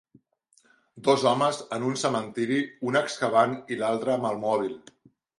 Dos homes en un cementiri, un excavant i l'altre amb el mòbil.